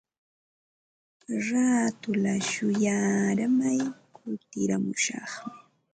Raatulla shuyaaramay kutiramushaqmi.